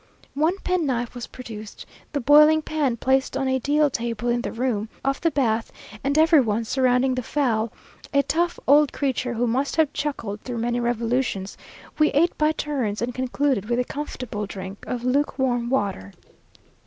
One penknife was produced the boiling pan placed on a deal table in the room off the bath, and every one, surrounding the fowl, a tough old creature, who must have chuckled through many revolutions, we ate by turns, and concluded with a comfortable drink of lukewarm water.